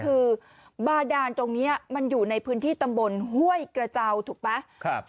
ก็คือบาดานตรงเนี่ยมันอยู่ในพื้นที่ตำบลห่วยกระเจาทุกปะครับ